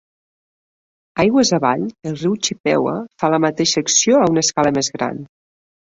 Aigües avall, el riu Chippewa fa la mateixa acció a una escala més gran.